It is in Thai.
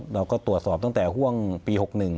เราก็ตรวจสอบตั้งแต่ห่วงปี๖๑